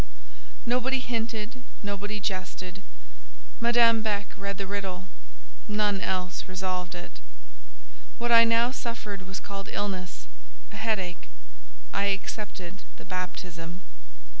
Nobody hinted, nobody jested. Madame Beck read the riddle: none else resolved it. What I now suffered was called illness—a headache: I accepted the baptism.